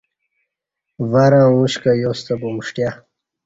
ورں اُش کہ یاستہ پمݜٹیہ